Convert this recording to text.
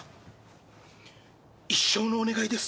一生のお願いです。